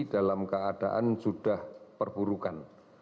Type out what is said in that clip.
dalam keadaan sudah perburukan